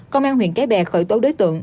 công an huyện cái bè khởi tố đối tượng